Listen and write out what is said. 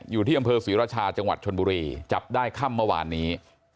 อยู่ที่อำเภอศรีราชาจังหวัดชนบุรีจับได้ค่ำเมื่อวานนี้